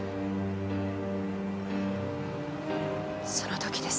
その時です。